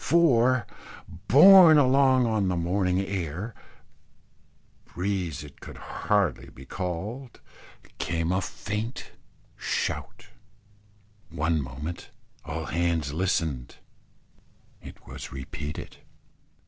For, borne along on the morning air breeze it could hardly be called came a faint shout. One moment all hands listened: it was repeated.